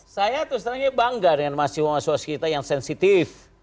saya terus terangnya bangga dengan mahasiswa sosial kita yang sensitif